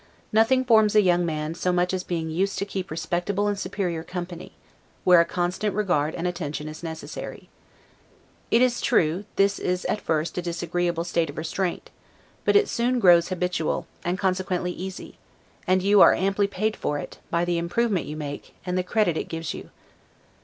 Nothing forms a young man so much as being used to keep respectable and superior company, where a constant regard and attention is necessary. It is true, this is at first a disagreeable state of restraint; but it soon grows habitual, and consequently easy; and you are amply paid for it, by the improvement you make, and the credit it gives you.